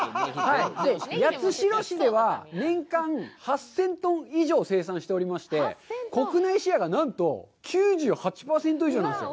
八代市では、年間８０００トン以上生産しておりまして、国内シェアが何と９８％以上なんですよ。